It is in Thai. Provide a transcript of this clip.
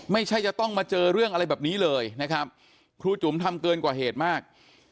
ไม่ใช่จะต้องมาเจอเรื่องอะไรแบบนี้เลยนะครับครูจุ๋มทำเกินกว่าเหตุมาก